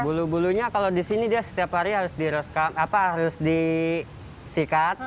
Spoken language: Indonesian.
bulu bulunya kalau di sini dia setiap hari harus disikat